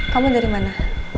kamu dari mana